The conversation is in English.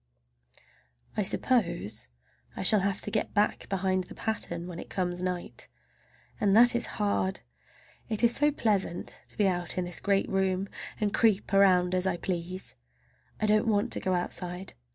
I suppose I shall have to get back behind the pattern when it comes night, and that is hard! It is so pleasant to be out in this great room and creep around as I please! I don't want to go outside.